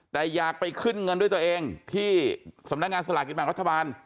แต่อยากไปขึ้นเงินด้วยตัวเองที่สำนักงานสลากกินแบ่งรัฐบาล